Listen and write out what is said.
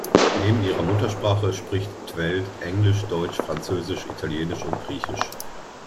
Neben ihrer Muttersprache spricht `t Veld Englisch, Deutsch, Französisch, Italienisch und Griechisch.